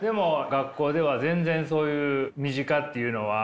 学校では全然そういう身近っていうのは。